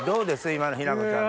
今の日奈子ちゃん。